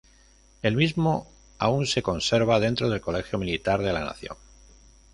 El mismo aún se conserva dentro del Colegio Militar de la Nación.